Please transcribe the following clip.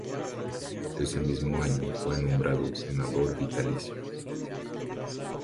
Ese mismo año fue nombrado senador vitalicio.